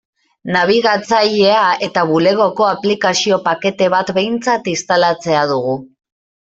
Nabigatzailea eta Bulegoko aplikazio-pakete bat behintzat instalatzea dugu.